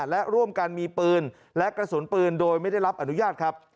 และร่วมกันมีปืนและกระสุนปืนโดยไม่ได้รับอนุญาตครับ